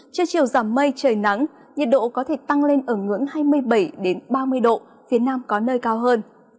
trưa chiều giảm mây trời nắng nhiệt độ có thể tăng lên ở ngưỡng hai mươi bảy ba mươi độ phía nam có nơi cao hơn